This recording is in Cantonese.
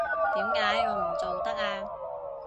點解我唔做得啊？